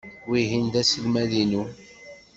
Wihin d aselmad-inu.